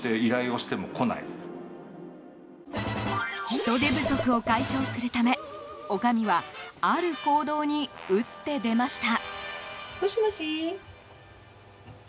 人手不足を解消するため女将はある行動に打って出ました。